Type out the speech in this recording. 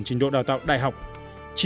trình độ đào tạo đại học